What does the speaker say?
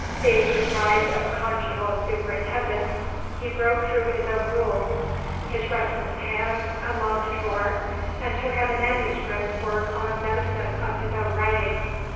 Being deprived of conjugal superintendence, he broke though his own rules. His restless hand unlocked a drawer, and took out a manuscript work on medicine of his own writing.